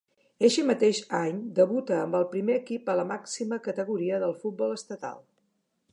Eixe mateix any debuta amb el primer equip a la màxima categoria del futbol estatal.